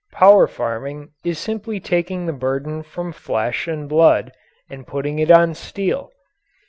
Power farming is simply taking the burden from flesh and blood and putting it on steel.